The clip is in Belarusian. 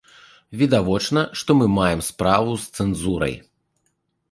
Відавочна, што мы маем справу з цэнзурай.